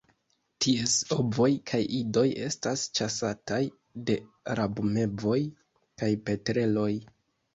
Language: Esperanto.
Ties ovoj kaj idoj estas ĉasataj de rabmevoj kaj petreloj.